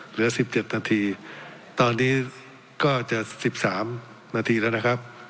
เหลือสิบเจ็ดนาทีตอนนี้ก็จะสิบสามนาทีแล้วนะครับ